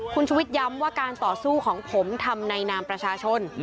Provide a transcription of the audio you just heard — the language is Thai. คุณชุวิตย้ำว่าการต่อสู้ของผมทำในนามประชาชน